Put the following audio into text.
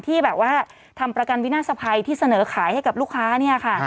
ที่แบบว่าทำประกันวินาศภัยที่เสนอขายให้กับลูกค้าเนี่ยค่ะ